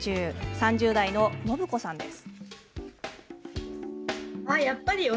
３０代の、のぶこさんです。